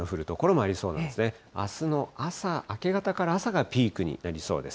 あすの朝、明け方から朝がピークになりそうです。